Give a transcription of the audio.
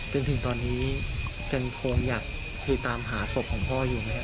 จนถึงตอนนี้ฟรีมันคงอยากหาสมพันธ์ที่ของพ่ออยู่มั้ยครับ